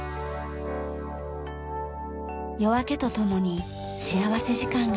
夜明けとともに幸福時間が始まります。